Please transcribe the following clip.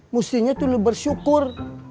mestinya tuh lu bersyukur